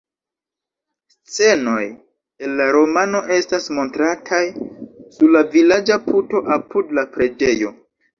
Scenoj el la romano estas montrataj sur la vilaĝa puto apud la preĝejo.